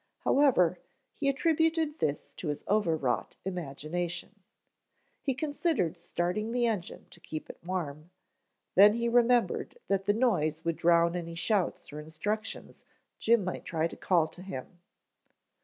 However, he attributed this to his over wrought imagination. He considered starting the engine to keep it warm, then he remembered that the noise would drown any shouts or instructions Jim might try to call to him.